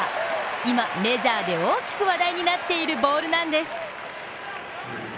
今、メジャーで大きく話題になっているボールなんです。